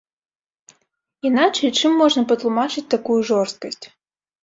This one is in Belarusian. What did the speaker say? Іначай чым можна патлумачыць такую жорсткасць.